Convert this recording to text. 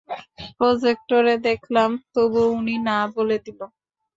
প্রজেক্টরে দেখালাম, তবুও উনি না বলে দিল।